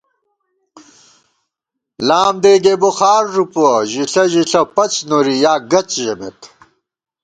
لام دېگِ بُخار ݫُپُوَہ، ژِݪہ ژِݪہ پَڅ نوری یا گَڅ ژمان